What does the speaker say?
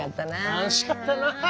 楽しかったなあ。